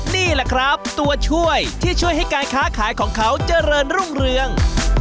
นี่แหละครับตัวช่วยที่ช่วยให้การค้าขายของเขาเจริญรุ่งเรือง